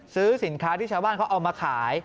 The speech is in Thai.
ซื้อสินค้าที่ชาวบ้านเขาเอามาขาย